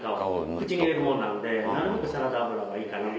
口に入れるもんなんでなるべくサラダ油がいいかと。